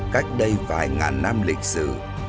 cách đây vài ngàn năm lịch sử